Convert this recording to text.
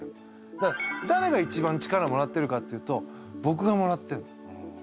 だからだれが一番力もらってるかっていうとぼくがもらってるの。